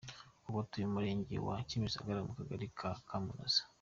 Ubu atuye mu Murenge wa Kimisagara mu Kagari ka Kamuhoza.